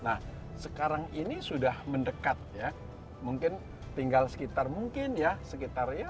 nah sekarang ini sudah mendekat ya mungkin tinggal sekitar mungkin ya sekitar ya